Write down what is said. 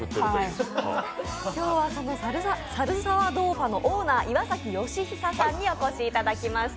今日はその猿沢豆花のオーナー、岩崎能久さんにお越しいただきました。